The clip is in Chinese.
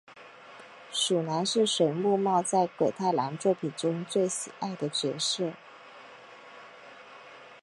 鼠男是水木茂在鬼太郎作品中最喜爱的角色。